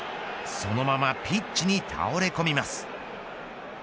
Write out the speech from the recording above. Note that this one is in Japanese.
そのままピッチに倒れこみます。